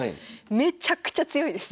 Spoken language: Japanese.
めちゃくちゃ強いです。